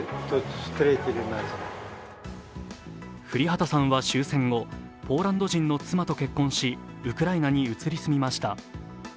降旗さんは終戦後、ポーランド人の妻と結婚しウクライナに移り住みました。